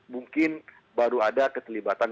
mungkin baru ada ketelibatan